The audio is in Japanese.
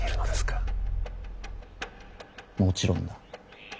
もちろんだ。